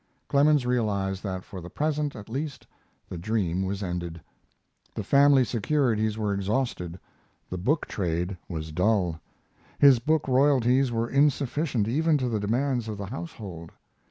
Clemens realized that for the present at least the dream was ended. The family securities were exhausted. The book trade was dull; his book royalties were insufficient even to the demands of the household.